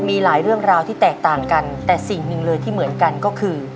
มีหลายเรื่องราวที่แตกต่างกันแต่สิ่งหนึ่งเลยที่เหมือนกันก็คือ